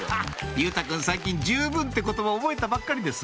佑太くん最近十分って言葉覚えたばっかりです